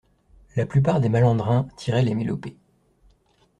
La plupart des malandrins tiraient les mélopées!